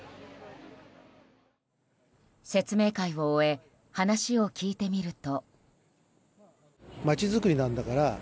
説明会を終え話を聞いてみると。